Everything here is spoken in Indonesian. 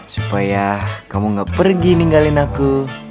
supaya kamu gak pergi ninggalin aku